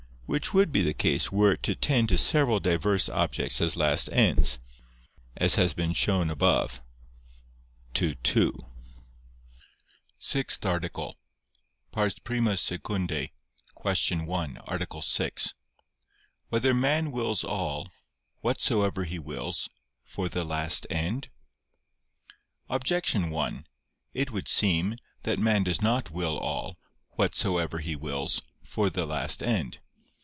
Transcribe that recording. Which would be the case were it to tend to several diverse objects as last ends, as has been shown above (ad 2). ________________________ SIXTH ARTICLE [I II, Q. 1, Art. 6] Whether Man Wills All, Whatsoever He Wills, for the Last End? Objection 1: It would seem that man does not will all, whatsoever he wills, for the last end.